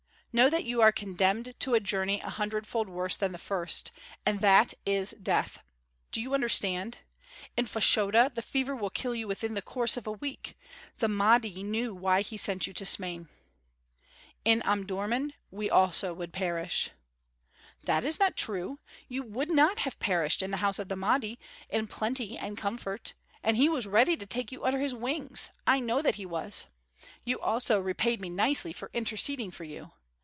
Know that you are condemned to a journey a hundredfold worse than the first. And that is death, do you understand? In Fashoda the fever will kill you in the course of a week. The Mahdi knew why he sent you to Smain." "In Omdurmân we also would perish." "That is not true! You would not have perished in the house of the Mahdi, in plenty and comfort. And he was ready to take you under his wings. I know that he was. You also repaid me nicely for interceding for you.